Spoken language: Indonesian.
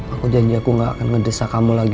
aku janji aku gak akan ngedesak kamu lagi